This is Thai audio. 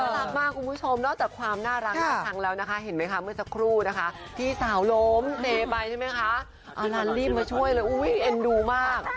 รักมากคุณผู้ชมนอกจากความน่ารักน่าชังแล้วนะคะเห็นไหมคะเมื่อสักครู่นะคะพี่สาวล้มเซไปใช่ไหมคะอารันรีบมาช่วยเลยอุ้ยเอ็นดูมาก